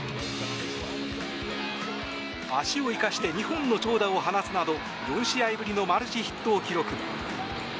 足を生かして２本の長打を放つなど４試合ぶりのマルチヒットを記録。